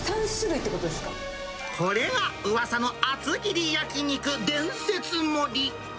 これがうわさの厚切り焼き肉、伝説盛り。